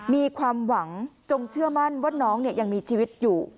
มีความหวังจงเชื่อมั่นว่าน้องยังมีชีวิตอยู่